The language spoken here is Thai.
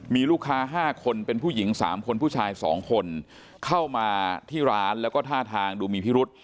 มีลูกค้า๕คนเป็นผู้หญิง๓คนผู้ชาย๒คนเข้ามาที่ร้านแล้วก็ท่าทางดูมีพิรุษ